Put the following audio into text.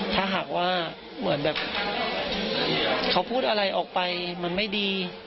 ถ้าหากว่าเหมือนแบบเขาพูดอะไรออกไปมันไม่ดี